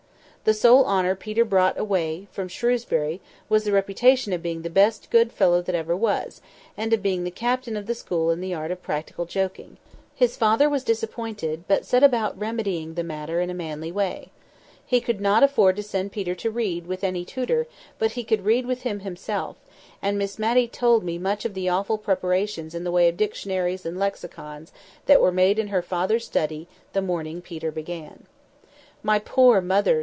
The sole honour Peter brought away from Shrewsbury was the reputation of being the best good fellow that ever was, and of being the captain of the school in the art of practical joking. His father was disappointed, but set about remedying the matter in a manly way. He could not afford to send Peter to read with any tutor, but he could read with him himself; and Miss Matty told me much of the awful preparations in the way of dictionaries and lexicons that were made in her father's study the morning Peter began. "My poor mother!"